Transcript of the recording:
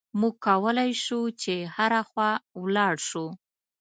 موږ کولای شو چې هره خوا ولاړ شو.